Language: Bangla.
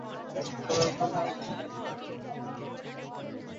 বারবাডোজের কৃতী সন্তানকে এবার সম্মান জানাল তাঁর স্কুল দ্য পার্কিনসন মেমোরিয়াল।